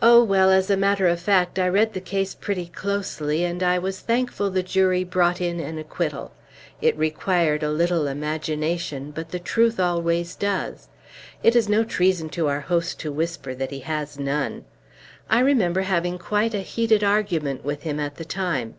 "Oh, well, as a matter of fact, I read the case pretty closely, and I was thankful the jury brought in an acquittal. It required a little imagination, but the truth always does. It is no treason to our host to whisper that he has none. I remember having quite a heated argument with him at the time.